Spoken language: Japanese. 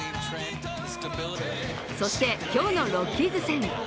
そして今日のロッキーズ戦。